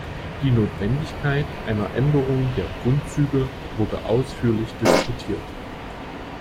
Die Notwendigkeit einer Änderung der Grundzüge wurde ausführlich diskutiert.